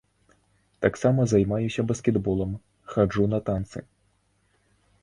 Таксама займаюся баскетболам, хаджу на танцы.